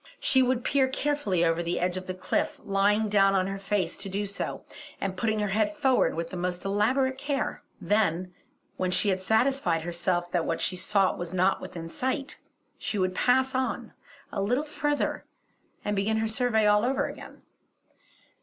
She would peer carefully over the edge of the cliff, lying down on her face to do so, and putting her head forward with the most elaborate care. Then, when she had satisfied herself that what she sought was not within sight, she would pass on a little further and begin her survey over again.